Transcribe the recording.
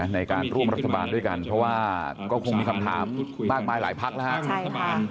ในการร่วมรัฐบาลด้วยกันก็คงมีคำถามมากมายหลายภัคระฮะ